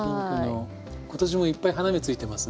今年もいっぱい花芽ついてますね。